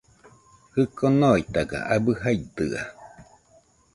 Jiko noitaga abɨ jaidɨa